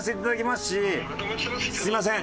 すいません。